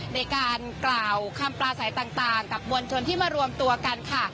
ในการกล่าวคำปลาใสต่างกับมวลชนที่มารวมตัวกันค่ะ